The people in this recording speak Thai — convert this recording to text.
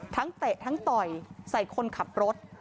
เตะทั้งต่อยใส่คนขับรถ